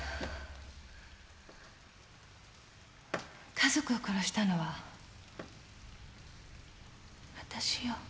家族を殺したのはわたしよ。